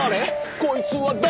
こいつは誰？」